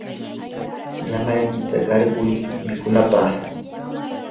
llamaykita qarquy mikunanpaq.